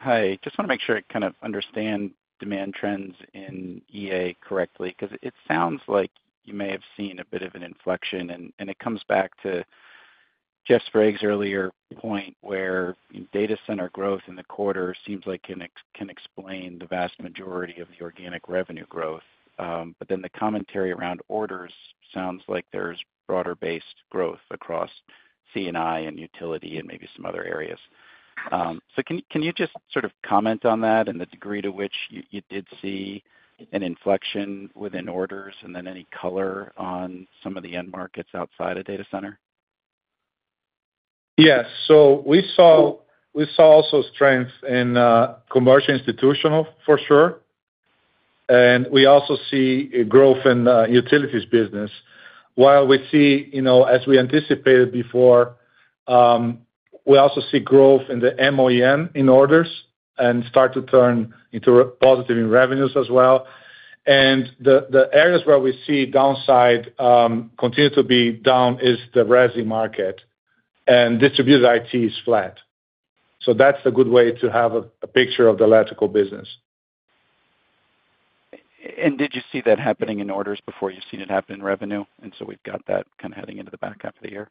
Hi. Just want to make sure I kind of understand demand trends in EA correctly because it sounds like you may have seen a bit of an inflection. It comes back to Jeff Sprague's earlier point where data center growth in the quarter seems like can explain the vast majority of the organic revenue growth. The commentary around orders sounds like there's broader based growth across CNI and utility and maybe some other areas. Can you just sort of comment on that and the degree to which you did see an inflection within orders, and then any color on some of the end markets outside of data center? Yes. We saw also strength in commercial, institutional for sure, and we also see growth in utilities business. As we anticipated before, we also see growth in the MOEM in orders and start to turn into positive in revenues as well. The areas where we see downside continue to be down is the resi market, and distributed is flat. That's a good way to have a picture of the electrical business. Did you see that happening in orders before you've seen it happen in revenue, and we've got that kind of heading into the back half of the year.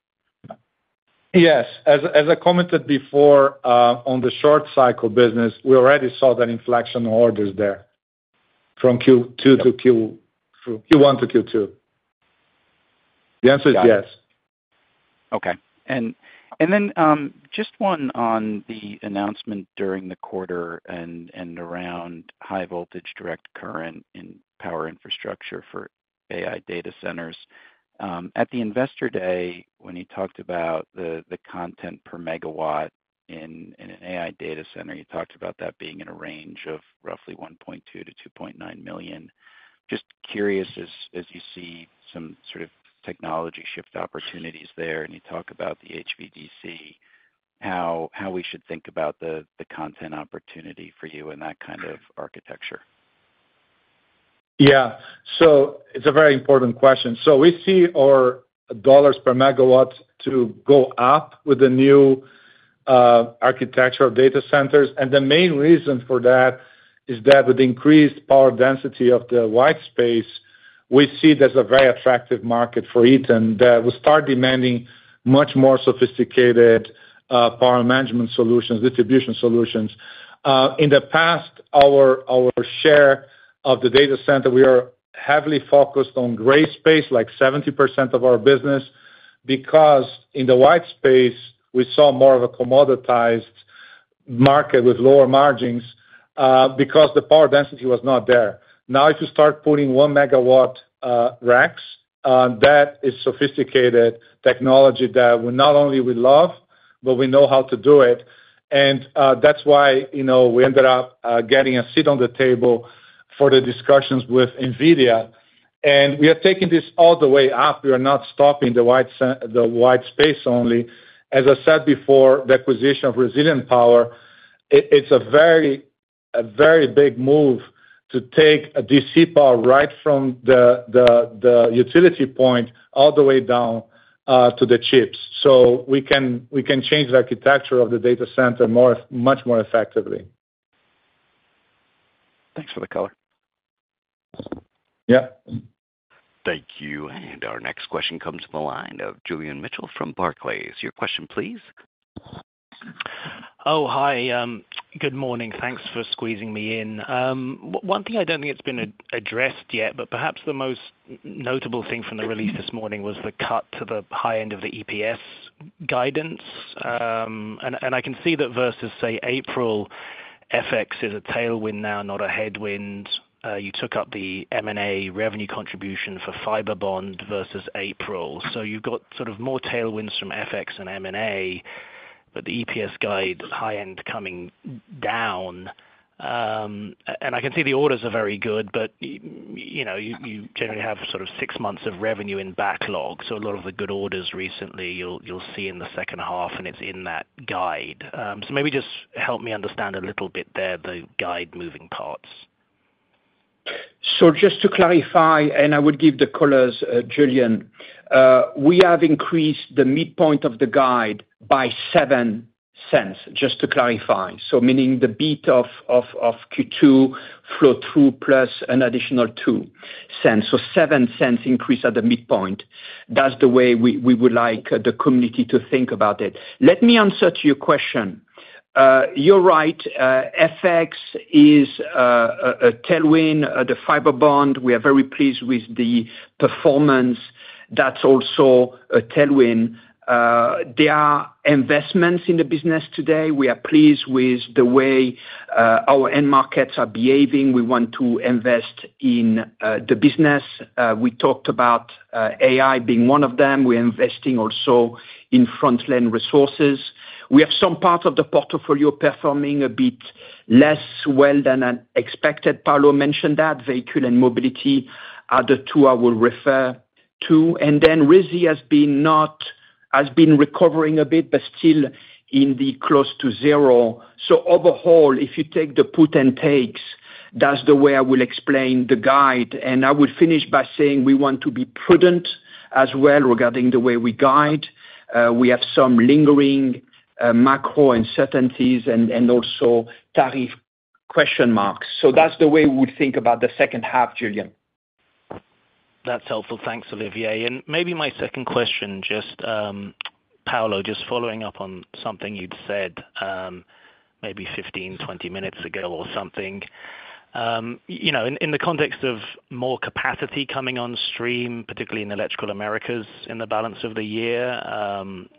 Yes, as I commented before on the short cycle business, we already saw that inflection in orders there from Q1 to Q2, the answer is yes. Okay. Just one on the announcement during the quarter and around high voltage direct current in power infrastructure for AI data centers. At the investor day, when you talked about the content per megawatt in an AI data center, you talked about that being in a range of roughly $1.2 million to $2.9 million. Just curious as you see some sort of technology shift opportunities there and you talk about the HVDC, how we should think about the content opportunity for you in that kind of architecture. Yeah, it's a very important question. We see our dollars per megawatt go up with the new architectural data centers. The main reason for that is that with increased power density of the white space, we see there's a very attractive market for it and we start demanding much more sophisticated power management solutions, distribution solutions. In the past, our share of the data center, we were heavily focused on gray space, like 70% of our business, because in the white space we saw more of a commoditized market with lower margins because the power density was not there. Now if you start putting 1 MW racks, that is sophisticated technology that not only we love, but we know how to do it. That's why we ended up getting a seat at the table for the discussions with NVIDIA. We are taking this all the way up. We are not stopping the white space only. As I said before, the acquisition of Resilient Power is a very, very big move to take DC power right from the utility point all the way down to the chips so we can change the architecture of the data center much more effectively. Thanks for the color. Thank you. Our next question comes to the line of Julian Mitchell from Barclays. Your question please. Oh, hi, good morning. Thanks for squeezing me in. One thing, I don't think it's been addressed yet, perhaps the most notable thing from the release this morning was the cut to the high end of the EPS guidance. I can see that versus, say, April FX is a tailwind now, not a headwind. You took up the M&A revenue contribution for Fiberbond versus April. You've got sort of more tailwinds from FX and M&A. The EPS guide high end coming down, and I can see the orders are very good, but you generally have sort of six months of revenue in backlog. A lot of the good orders recently you'll see in the second half, and it's in that guide. Maybe just help me understand a little bit there, the guide moving parts. Just to clarify, and I would give the colors Julian. We have increased the midpoint of the guide by $0.07. Just to clarify, meaning the beat of Q2 flow through plus an additional $0.02. $0.07 increase at the midpoint, that's the way we would like the community to think about it. Let me answer to your question. You're right, FX is a tailwind. The Fiberbond, we are very pleased with the performance, that's also a tailwind. There are investments in the business today. We are pleased with the way our end markets are behaving. We want to invest in the business, we talked about ERP being one of them. We're investing also in frontline resources. We have some parts of the portfolio performing a bit less well than expected. Paulo mentioned that vehicle and eMobility are the two I will refer to. Risi has been recovering a bit, but still in the close to zero. Overall, if you take the put and takes, that's the way I will explain the guide. I would finish by saying we want to be prudent as well regarding the way we guide. We have some lingering macro uncertainties and also tariff question marks. That's the way we think about the second half Julian. That's helpful. Thanks, Olivier. Maybe my second question, just Paulo, just following up on something you'd said maybe 15, 20 minutes ago or something. In the context of more capacity coming on stream, particularly in Electrical Americas, in the balance of the year,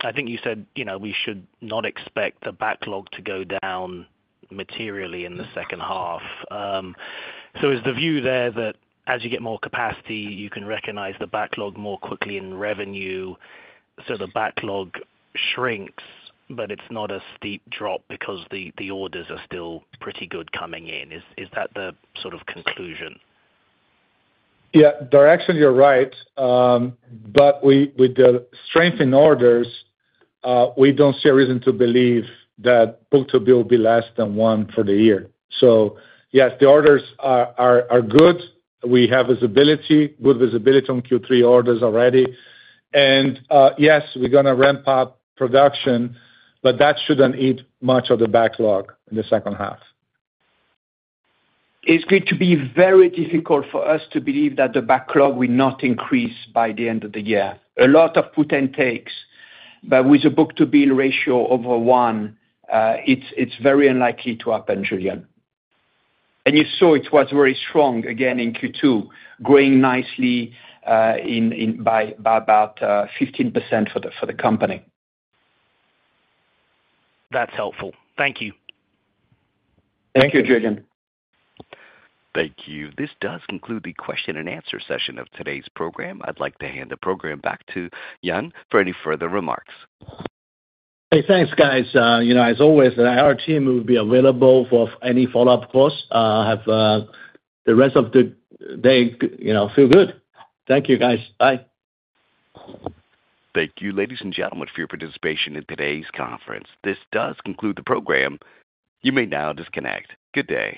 I think you said we should not expect the backlog to go down materially in the second half. Is the view there that as you get more capacity, you can recognize the backlog more quickly in revenue? The backlog shrinks, but it's not a steep drop because the orders are still pretty good coming in. Is that the sort of conclusion? Yeah, they're actually right. With the strength in orders, we don't see a reason to believe that backlog will be less than one for the year. Yes, the orders are good. We have good visibility on Q3 orders already, and yes, we're going to ramp up production, but that shouldn't eat much of the backlog in the second half. It's going to be very difficult for us to believe that the backlog will not increase by the end of the year. A lot of puts and takes, but with a book to bill ratio of 1, it's very unlikely to happen Julian. It was very strong again in Q2, growing nicely by about 15% for the company. That's helpful. Thank you. Thank you, Julian. Thank you. This does conclude the question-and-answer session of today's program. I'd like to hand the program back to Yan for any further remarks. Hey, thanks guys. As always, our team will be available for any follow up. Have the rest of the day, feel good. Thank you guys. Bye. Thank you, ladies and gentlemen, for your participation in today's conference. This does conclude the program. You may now disconnect. Good day.